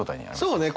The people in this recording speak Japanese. そうね。